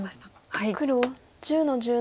黒１０の十七ツケ。